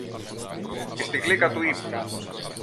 και στη γλύκα του ύπνου